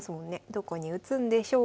どこに打つんでしょうか。